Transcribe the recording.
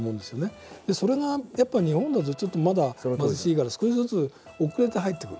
それがやっぱ日本だとちょっとまだ貧しいから少しずつ遅れて入ってくる。